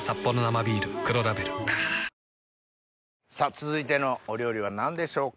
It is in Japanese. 続いてのお料理は何でしょうか？